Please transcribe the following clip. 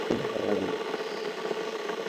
Indoor swimming pool পুরোটা নিজের টাকায় বানিয়ে দিয়েছি।